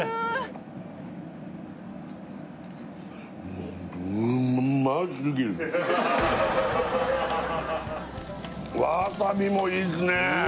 もうわさびもいいすね！